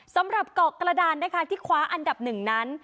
สำหรับเกาะกระดาษที่คว้าอันดับ๑นั้น